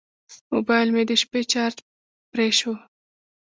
موبایل مې د شپې چارج پرې شو.